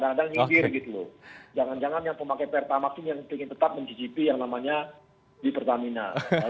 jangan jangan yang pemakai pertamax ini yang ingin tetap mencicipi yang namanya di pertamina